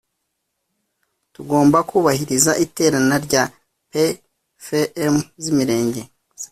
tugomba kubahiriza iterana rya pfm z imirenge